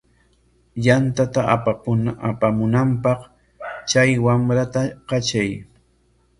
Yantata apamunanpaq chay wamrata katray.